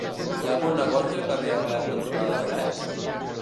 Hi ha algun negoci al carrer Arlet cantonada Arlet?